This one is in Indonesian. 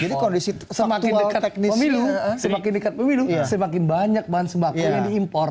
jadi kondisi faktual teknisnya semakin dekat pemilu semakin banyak bahan sembako yang diimpor